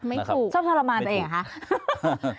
ไม่ถูกชอบทรมานตัวเองเหรอคะ